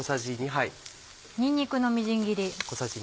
にんにくのみじん切り。